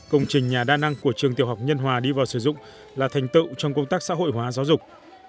công trình nhà đa năng của trường tiểu học nhân hòa đi vào sử dụng là thành tựu trong công tác xã hội hóa giáo dục